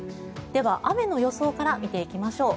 では、雨の予想から見てきましょう。